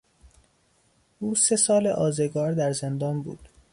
او سه سال آزگار در زندان بود.